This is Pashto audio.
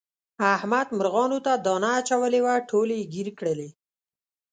احمد مرغانو ته دانه اچولې وه ټولې یې ګیر کړلې.